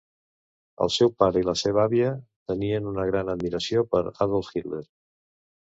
El seu pare i la seva àvia tenien una gran admiració per Adolf Hitler.